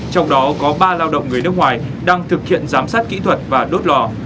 trong đó có ba lao động người nước ngoài đang thực hiện giám sát kỹ thuật và đốt lò